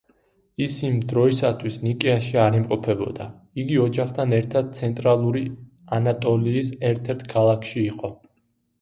ის იმ დროისათვის ნიკეაში არ იმყოფებოდა, იგი ოჯახთან ერთად ცენტრალური ანატოლიის ერთ-ერთ ქალაქში იყო.